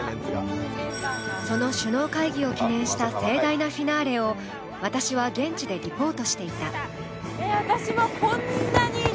その首脳会議を記念した盛大なフィナーレを私は現地でリポートしていた。